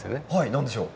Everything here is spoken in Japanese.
何でしょう？